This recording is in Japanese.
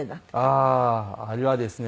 ああーあれはですね